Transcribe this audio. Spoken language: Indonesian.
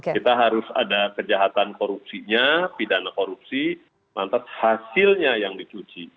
kita harus ada kejahatan korupsinya pidana korupsi lantas hasilnya yang dicuci